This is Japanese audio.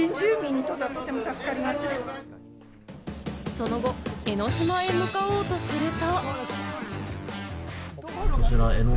その後、江の島へ向かおうとすると。